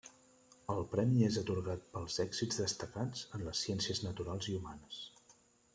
El premi és atorgat pels èxits destacats en les ciències naturals i humanes.